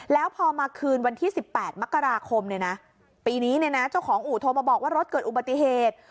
แล้วพอมาคืนวันที่๑๘มกราคมปีนี้เจ้าของอู่โทรมาบอกว่ารถเกิดอุบัติเหตุ